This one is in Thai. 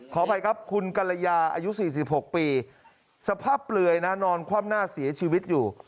ขออภัยครับคุณกรยาอายุ๔๖ปีสภาพเปลือยนะนอนคว่ำหน้าเสียชีวิตอยู่